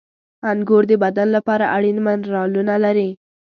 • انګور د بدن لپاره اړین منرالونه لري.